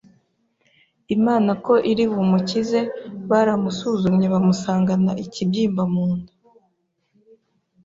Imana ko iri bumukize baramusuzumye bamusangana ikibyimba munda